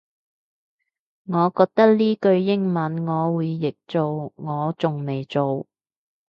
我覺得呢句英文我會譯做我仲未做